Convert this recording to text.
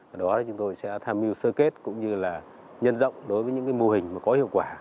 ở đó là chúng tôi sẽ tham mưu sơ kết cũng như là nhân rộng đối với những mô hình có hiệu quả